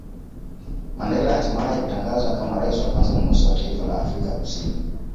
Mandela hatimae kutangazwa kama rais wa kwanza mweusi wa taifa la Afrika Kusini